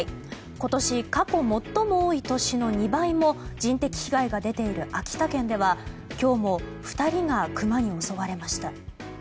今年過去最も多い年の２倍も人的被害が出ている秋田県では今日も、２人がクマに襲われました。